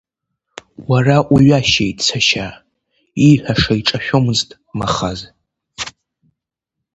Уара уҩашьеит сашьа, ииҳәаша иҿашәомызт Махаз.